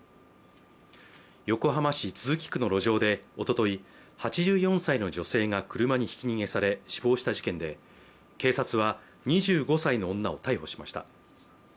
横浜市都筑区の路上でおととい８４歳の女性が車にひき逃げされ、死亡した事件で警察は２５歳の女を逮捕しました。